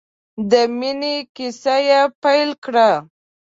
د مینې کیسه یې پیل کړه.